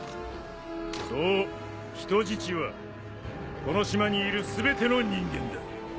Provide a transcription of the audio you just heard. そう人質はこの島にいる全ての人間だ。